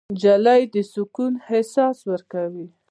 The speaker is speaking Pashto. نجلۍ د سکون احساس ورکوي.